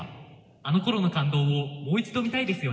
あのころの感動をもう一度見たいですよね？